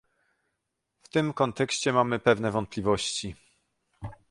W tym kontekście mamy pewne wątpliwości